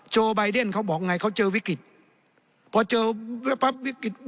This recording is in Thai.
โบายเดนเขาบอกไงเขาเจอวิกฤตพอเจอแว๊บปั๊บวิกฤต